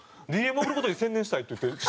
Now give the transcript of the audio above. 「ＤＭ送る事に専念したい」って言って仕事。